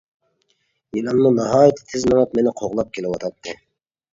يىلانمۇ ناھايىتى تىز مېڭىپ مېنى قوغلاپ كېلىۋاتاتتى.